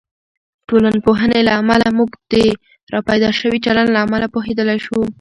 د ټولنپوهنې له امله، موږ د راپیدا شوي چلند له امله پوهیدلی شو.